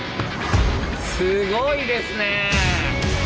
すごいですね！